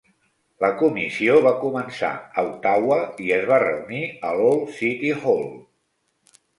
La comissió va començar a Ottawa i es va reunir a l'Old City Hall.